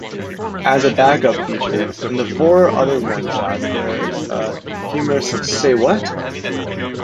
As a back-up feature, in the four other one-shots, there's a humorous Say What?